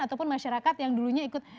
ataupun masyarakat yang dulunya ikut